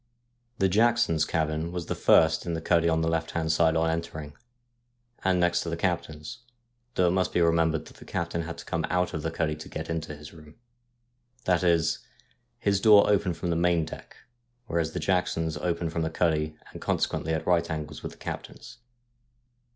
The Jacksons' cabin was the first in the cuddy on the left hand side on entering, and next to the captain's, though it must be remembered that the captain had to come out of the cuddy to get into his room. That is, his door opened from the main deck, whereas the Jacksons' opened from the cuddy, and consequently at right angles with the captain's.